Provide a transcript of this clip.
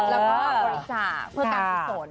แล้วก็โฆษาเพื่อการผู้สน